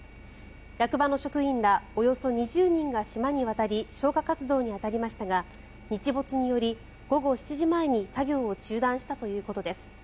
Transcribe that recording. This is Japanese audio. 役場の職員らおよそ２０人が島に渡り消火活動に当たりましたが日没により、午後７時前に作業を中断したということです。